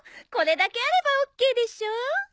これだけあればオッケーでしょ。